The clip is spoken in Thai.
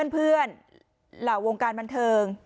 เพื่อนเหล่าวงการบันเทิง